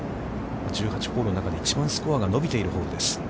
１８ホールの中で、一番スコアが伸びているホールです。